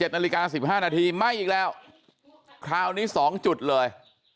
นาฬิกา๑๕นาทีไหม้อีกแล้วคราวนี้๒จุดเลย